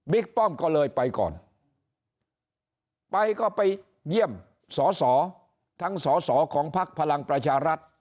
ป้อมก็เลยไปก่อนไปก็ไปเยี่ยมสอสอทั้งสอสอของพักพลังประชารัฐ